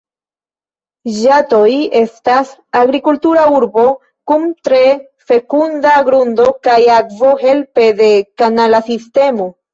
Ĝatoi estas agrikultura urbo kun tre fekunda grundo kaj akvo helpe de kanala sistemo.